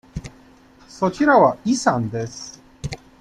そちらはイさんです。